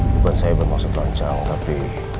bukan saya bermaksud rancang tapi